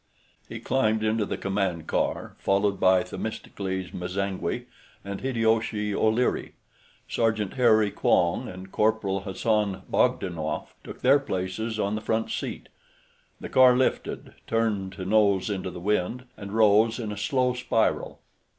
He climbed into the command car, followed by Themistocles M'zangwe and Hideyoshi O'Leary. Sergeant Harry Quong and Corporal Hassan Bogdanoff took their places on the front seat; the car lifted, turned to nose into the wind, and rose in a slow spiral.